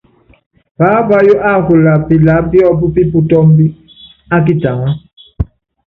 Paápayɔ́ á kula pilaá piɔ́p pi putɔ́mb á kitaŋá.